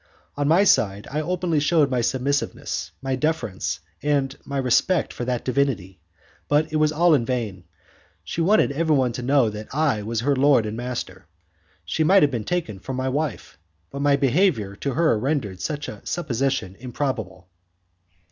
On my side, I openly shewed my submissiveness, my deference, and my respect for that divinity, but it was all in vain. She wanted everybody to know that I was her lord and master. She might have been taken for my wife, but my behaviour to her rendered such a supposition improbable.